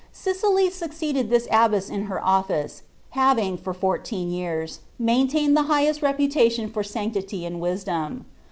Cicely succeeded this abttess in hei ofHce, havii:g, for fourteen years, maintained the highest rcpuiation for mnctily and wisdom.